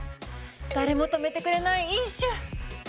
誰も止めてくれない飲酒。